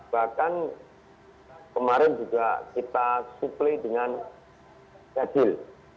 bahkan kemarin juga kita supply dengan sedil